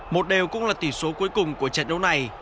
một đều cũng là tỷ số cuối cùng của trận đấu này